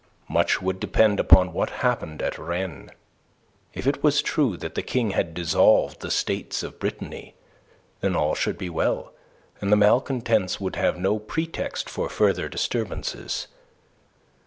Much would depend upon what happened at Rennes. If it was true that the King had dissolved the States of Brittany, then all should be well, and the malcontents would have no pretext for further disturbances.